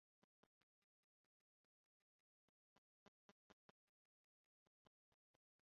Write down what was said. La loknomo signifas hungare: serba-kruco-Dio.